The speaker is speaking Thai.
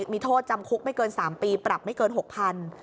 มีโทษจำคุกไม่เกิน๓ปีปรับไม่เกิน๖๐๐บาท